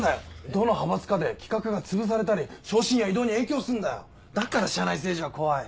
どの派閥かで企画がつぶされたり昇進や異動に影響すんだよだから社内政治は怖い。